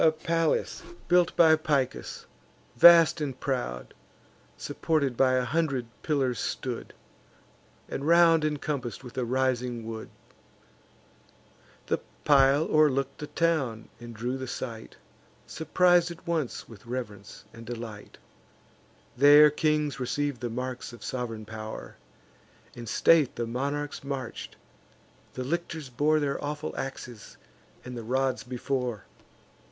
The palace built by Picus, vast and proud, Supported by a hundred pillars stood, And round incompass'd with a rising wood. The pile o'erlook'd the town, and drew the sight; Surpris'd at once with reverence and delight. There kings receiv'd the marks of sov'reign pow'r; In state the monarchs march'd; the lictors bore Their awful axes and the rods before.